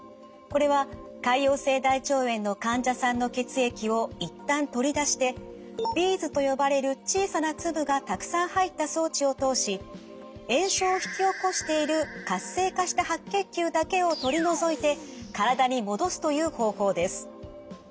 これは潰瘍性大腸炎の患者さんの血液を一旦取り出してビーズと呼ばれる小さな粒がたくさん入った装置を通し炎症を引き起こしている活性化した白血球だけを取り除いて体に戻すという方法です。